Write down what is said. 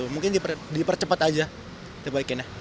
mungkin dipercepat aja